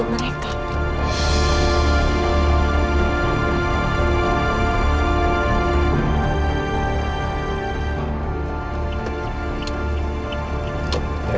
s pura meja